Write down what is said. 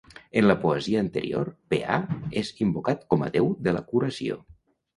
En la poesia anterior, Peà és invocat com a déu de la curació.